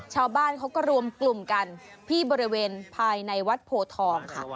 ชาวบ้านเขาก็รวมกลุ่มกันที่บริเวณภายในวัดโพทองค่ะ